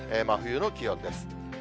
真冬の気温です。